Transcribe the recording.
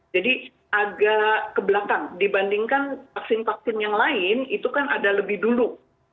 jadi agak kebelakang dibandingkan vaksin vaksin yang lain itu kan ada lebih dulu